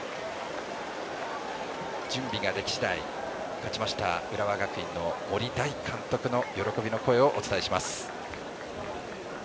準備が出来次第勝ちました浦和学院の森大監督の喜びの声をお伝えします。